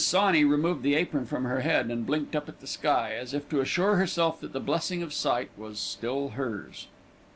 Sawney removed the apron from her head, and blinked up at the sky, as if to assure herself that the blessing of sight was still hers.